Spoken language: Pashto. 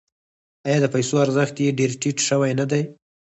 آیا د پیسو ارزښت یې ډیر ټیټ شوی نه دی؟